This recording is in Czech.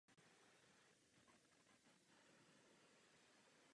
Není to tedy chyba Parlamentu.